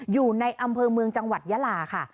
อยู่ในอำเภอเมืองจังหวัดยาลาค่ะ